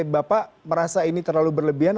bapak merasa ini terlalu berlebihan